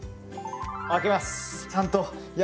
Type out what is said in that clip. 開けます！